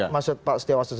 masud pak setiawasus